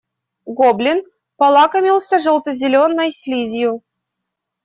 Гоблин полакомился желто-зеленой слизью.